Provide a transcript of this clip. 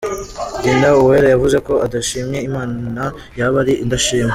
Dinah Uwera yavuze ko adashimye Imana yaba ari indashima.